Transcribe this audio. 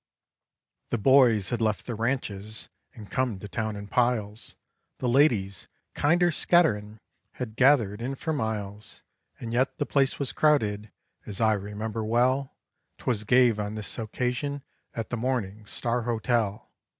The boys had left the ranches and come to town in piles; The ladies, kinder scatterin', had gathered in for miles. And yet the place was crowded, as I remember well, 'Twas gave on this occasion at the Morning Star Hotel.